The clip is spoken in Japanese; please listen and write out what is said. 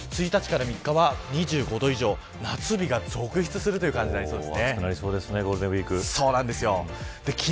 １日から３日は２５度以上夏日が続出するということになりそうです。